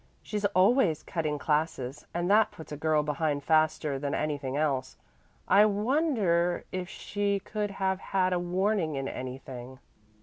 "She's always cutting classes, and that puts a girl behind faster than anything else. I wonder if she could have had a warning in anything."